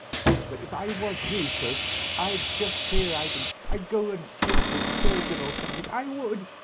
But if I was you, sir, I'd just clear out and go and sleep with the surgeon, or something, I would.